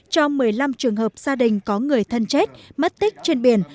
cho một mươi năm trường hợp gia đình có người thân chết mất tích trên biển